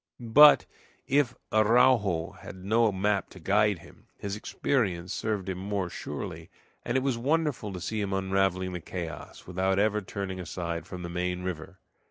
But if Araujo had no map to guide him, his experience served him more surely, and it was wonderful to see him unraveling the chaos, without ever turning aside from the main river.